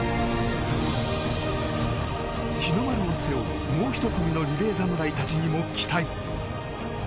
日の丸を背負うもう１人のリレー侍にも期待。